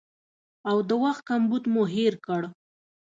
او د وخت کمبود مو هېر کړ